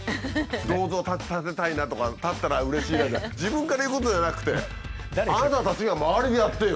銅像を建てたいなとか建ったらうれしいなって自分から言うことじゃなくてあなたたちが周りでやってよ。